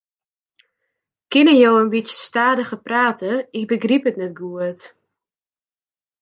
Kinne jo in bytsje stadiger prate, ik begryp it net goed.